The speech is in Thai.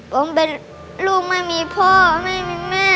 ผมเป็นลูกไม่มีพ่อไม่มีแม่